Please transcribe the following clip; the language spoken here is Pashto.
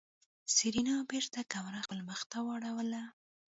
سېرېنا بېرته کمره خپل مخ ته واړوله.